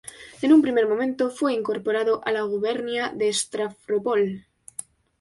En un primer momento fue incorporado a la gubernia de Stávropol.